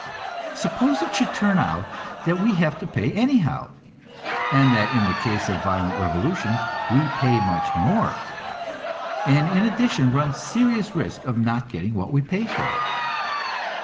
Suppose it should turn out that we have to pay anyhow, and that in the case of violent revolution we pay much more, and in addition run serious risk of not getting what we pay for?